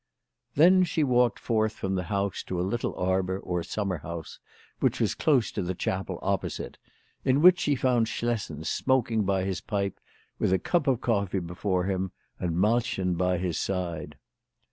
Then she walked forth from the house to a little arbour or summer house which was close to the chapel opposite, in which she found Schlessen smoking his pipe with a cup of coffee before him, and Malchen by his side.